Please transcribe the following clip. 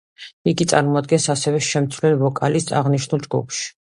იგი წარმოადგენს ასევე შემცვლელ ვოკალისტს აღნიშნულ ჯგუფში.